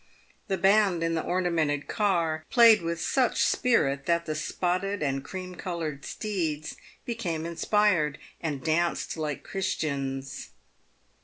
The band in the ornamented car played with such spirit that the spotted and cream coloured steeds became inspired, and danced like Christians.